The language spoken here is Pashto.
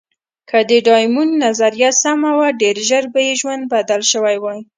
که د ډایمونډ نظریه سمه وه، ډېر ژر به یې ژوند بدل شوی وای.